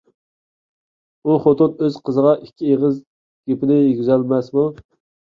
ئۇ خوتۇن ئۆز قىزىغا ئىككى ئېغىز گېپىنى يېگۈزەلمەسمۇ؟